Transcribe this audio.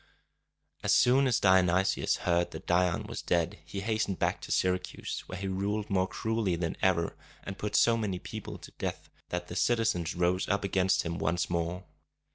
As soon as Dionysius heard that Dion was dead, he hastened back to Syracuse, where he ruled more cruelly than ever, and put so many people to death that the citizens rose up against him once more.